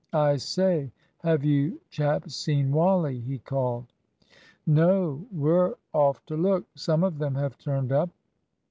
"I say, have you chaps seen Wally?" he called. "No; we're off to look. Some of them have turned up.